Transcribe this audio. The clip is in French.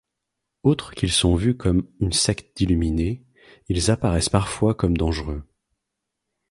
Outre qu'ils sont vus comme une secte d'illuminés, ils apparaissent parfois comme dangereux.